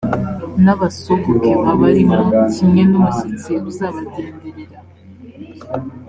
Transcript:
n’abasuhuke babarimo, kimwe n’umushyitsi uzabagenderera.